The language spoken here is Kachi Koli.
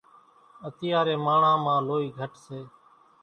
اتيارين ماڻۿان مان لوئِي گھٽ سي۔